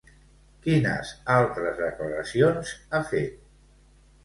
Quines altres declaracions ha fet?